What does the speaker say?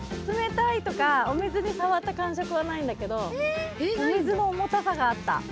つめたいとかお水にさわった感触はないんだけどお水の重たさがあった。